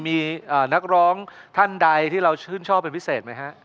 มีนักร้องท่านใดที่เราชื่นชอบเป็นพิเศษไหมฮะ